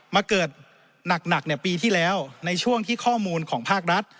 มาเกิดหนักปีที่แล้วในช่วงที่ข้อมูลของภาครัฐ